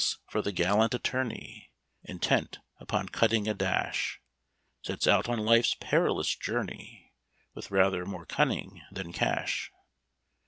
for the gallant attorney, Intent upon cutting a dash, Sets out on life's perilous journey With rather more cunning than cash.